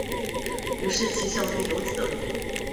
于是其校队由此得名。